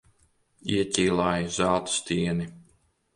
Ieķīlāja zelta stieni.